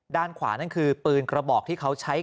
ด้านขวานั่นคือปืนกระบอกที่เขาใช้